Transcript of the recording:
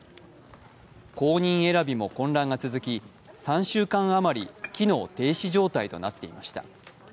後任選びも混乱が続き、３週間余り機能停止状態となっていました。